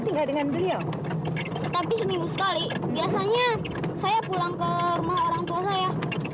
tinggal dengan beliau tapi seminggu sekali biasanya saya pulang ke rumah orang tua saya